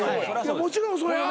もちろんそうや。